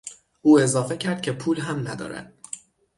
او اضافه کرد که پول هم ندارد.